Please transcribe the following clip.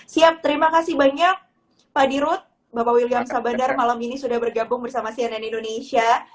siap terima kasih banyak pak dirut bapak william sabandar malam ini sudah bergabung bersama cnn indonesia